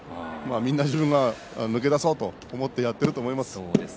みんな抜け出そうと思ってやっていると思います。